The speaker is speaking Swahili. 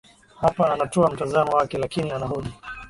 hapa anatoa mtazamo wake lakini anahoji